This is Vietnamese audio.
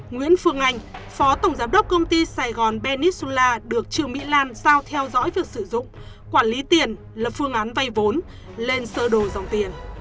nguyễn phương anh phó tổng giám đốc công ty sài gòn benisula được trương mỹ lan giao theo dõi việc sử dụng quản lý tiền lập phương án vay vốn lên sơ đồ dòng tiền